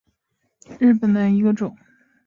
同志弯贝介为弯贝介科弯贝介属下的一个种。